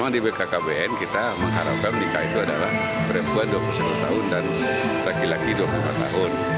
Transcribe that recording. di bkkbn kita mengharapkan nikah itu adalah perempuan dua puluh satu tahun dan laki laki dua puluh empat tahun